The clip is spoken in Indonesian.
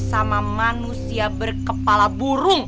sama manusia berkepala burung